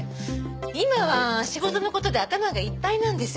今は仕事の事で頭がいっぱいなんです。